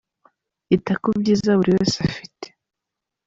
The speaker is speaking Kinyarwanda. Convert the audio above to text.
Ita ku byiza buri wese afite